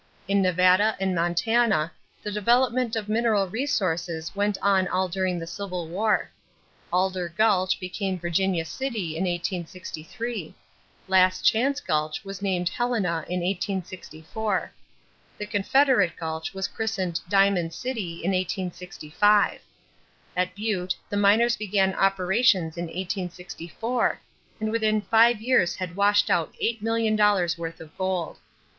In Nevada and Montana the development of mineral resources went on all during the Civil War. Alder Gulch became Virginia City in 1863; Last Chance Gulch was named Helena in 1864; and Confederate Gulch was christened Diamond City in 1865. At Butte the miners began operations in 1864 and within five years had washed out eight million dollars' worth of gold.